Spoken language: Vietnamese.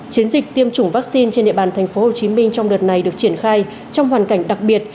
chiến dịch tiêm chủng vaccine trên địa bàn tp hcm trong đợt này được triển khai trong hoàn cảnh đặc biệt